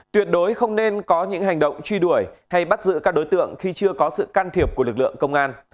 tuyệt đối không nên có những hành động truy đuổi hay bắt giữ các đối tượng khi chưa có sự can thiệp của lực lượng công an